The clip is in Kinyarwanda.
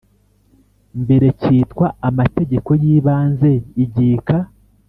mbere cyitwa Amategeko y Ibanze igika